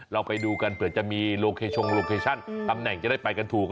เราไปดูกันเผื่อจะมีโลเคชงโลเคชั่นตำแหน่งจะได้ไปกันถูก